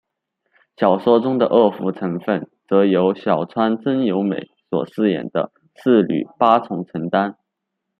小说中的恶妇成份则由小川真由美所饰演的侍女八重承担。